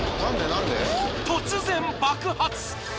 突然爆発！